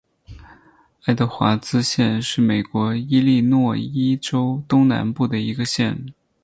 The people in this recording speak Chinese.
爱德华兹县是美国伊利诺伊州东南部的一个县。